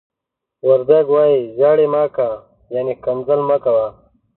وردگ وايي: "زيَړِ مَ کَ." يعنې ښکنځل مه کوه.